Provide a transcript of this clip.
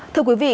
thưa quý vị